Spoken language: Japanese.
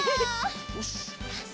よし！